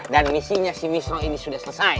dan misinya si misru ini sudah selesai